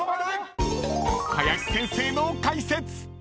［林先生の解説！］